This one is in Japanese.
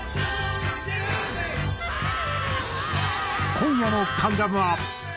今夜の『関ジャム』は。